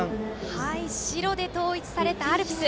白で統一されたアルプス。